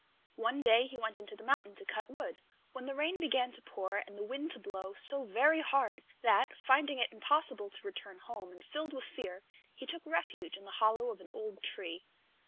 One day he went into the mountain to cut wood, when the rain began to pour and the wind to blow so very hard that, finding it impossible to return home, and filled with fear, he took refuge in the hollow of an old tree.